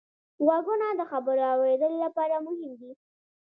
غوږونه د خبرو اورېدلو لپاره مهم دي